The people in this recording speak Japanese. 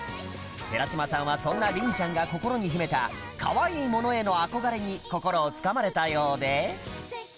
寺島さんはそんな凛ちゃんが心に秘めたかわいいものへの憧れに心をつかまれたようで